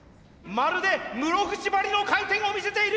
まるで室伏ばりの回転を見せている。